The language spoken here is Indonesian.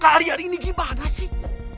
kalian ini gimana sih